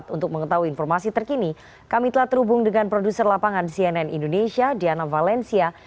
untuk mengetahui informasi terkini kami telah terhubung dengan produser lapangan cnn indonesia diana valencia